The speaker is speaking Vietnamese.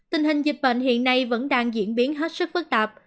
tình hình dịch bệnh hiện nay vẫn đang diễn biến hết sức phức tạp